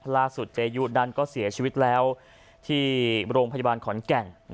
เจยุนั้นก็เสียชีวิตแล้วที่โรงพยาบาลขอนแก่น